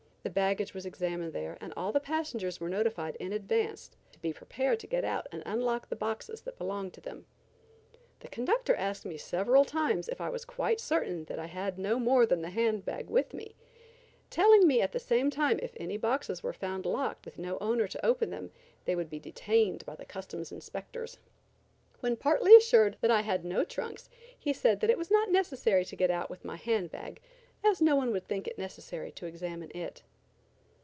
The baggage was examined there and all the passengers were notified in advance to be prepared to get out and unlock the boxes that belonged to them. The conductor asked me several times if I was quite certain that I had no more than the handbag with me, telling me at the same time if any boxes were found locked, with no owner to open them, they would be detained by the custom inspectors. When partly assured that I had no trunks he said that it was not necessary to get out with my hand bag, as no one would think it necessary to examine it.